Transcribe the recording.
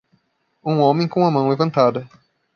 Um homem com a mão levantada.